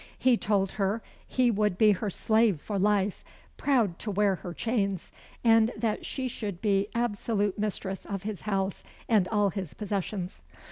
He told her he would be her slave for life, proud to wear her chains; and that she should be absolute mistress of his house and all his possessions.